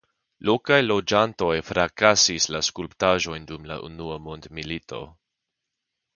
Lokaj loĝantoj frakasis la skulptaĵojn dum la Unua Mondmilito.